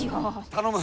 頼む！